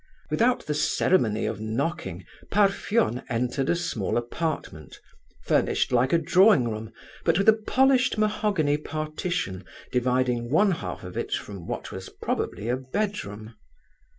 Without the ceremony of knocking, Parfen entered a small apartment, furnished like a drawing room, but with a polished mahogany partition dividing one half of it from what was probably a bedroom.